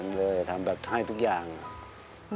คุณหมอบอกว่าเอาไปพักฟื้นที่บ้านได้แล้ว